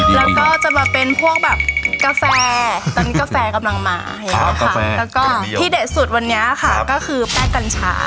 แล้วก็จะมาเป็นพวกแบบกาแฟตอนนี้กาแฟกำลังมาอย่างเงี้ยค่ะแล้วก็ที่เด็ดสุดวันนี้ค่ะก็คือแป้งกัญชา